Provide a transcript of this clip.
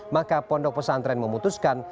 maka pondok pesantren memutuskan